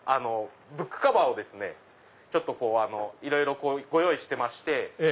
ブックカバーをですねいろいろご用意してまして。